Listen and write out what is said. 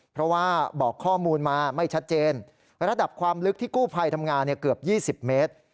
เพราะว่าบอกข้อมูลมาไม่ชัดเจนระดับความลึกที่กู้ภัยทำงานเกือบ๒๐เมตร